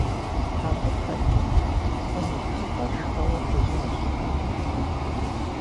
Абы хэту лӀым и тхыцӀэр шхэуэ хуежьащ.